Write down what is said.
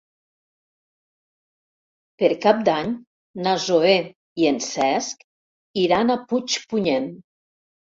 Per Cap d'Any na Zoè i en Cesc iran a Puigpunyent.